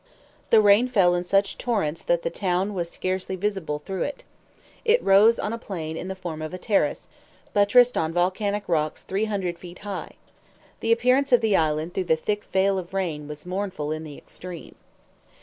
The rain fell in such torrents that the town was scarcely visible through it. It rose on a plain in the form of a terrace, buttressed on volcanic rocks three hundred feet high. The appearance of the island through the thick veil of rain was mournful in the extreme.